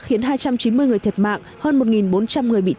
khiến hai trăm chín mươi người thiệt mạng hơn một bốn trăm linh người chết